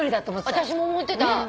私も思ってた。